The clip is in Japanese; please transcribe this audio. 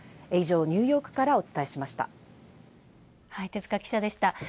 以上、ニューヨークからお伝えしました。